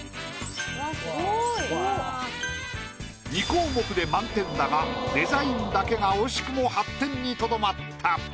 ２項目で満点だがデザインだけが惜しくも８点にとどまった。